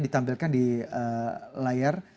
ditampilkan di layar